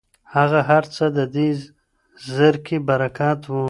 هغه هرڅه د دې زرکي برکت و